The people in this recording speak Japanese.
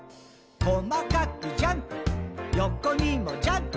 「こまかくジャンプ」「横にもジャンプ」